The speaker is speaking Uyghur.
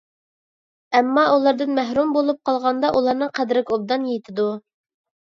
ئەمما، ئۇلاردىن مەھرۇم بولۇپ قالغاندا ئۇلارنىڭ قەدرىگە ئوبدان يېتىدۇ.